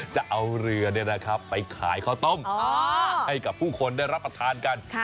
จะเอาเรือไปขายข้าวต้มให้กับผู้คนได้รับประทานกัน